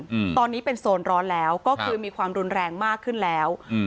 อืมตอนนี้เป็นโซนร้อนแล้วก็คือมีความรุนแรงมากขึ้นแล้วอืม